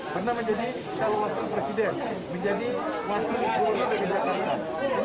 pernah menjadi salah satu presiden menjadi wakil yang berguna dan berguna